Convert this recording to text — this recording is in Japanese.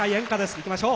いきましょう。